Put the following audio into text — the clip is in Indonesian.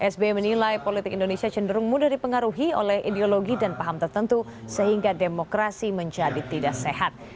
sbi menilai politik indonesia cenderung mudah dipengaruhi oleh ideologi dan paham tertentu sehingga demokrasi menjadi tidak sehat